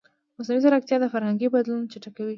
مصنوعي ځیرکتیا د فرهنګي بدلون چټکوي.